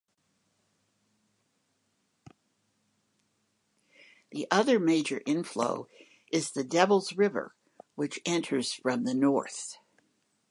The other major inflow is the Devils River, which enters from the north.